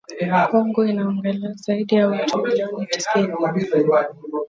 Kongo inaongeza zaidi ya watu milioni tisini